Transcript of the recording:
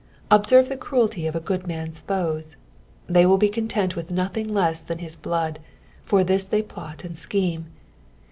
Obaerve the cruelty of a good maa'a foes ! they will be content with nothing leaa than hia biood— for this they plot and scheme.